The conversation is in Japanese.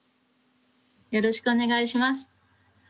よろしくお願いします。